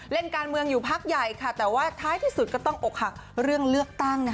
เล่นการเมืองอยู่พักใหญ่ค่ะแต่ว่าท้ายที่สุดก็ต้องอกหักเรื่องเลือกตั้ง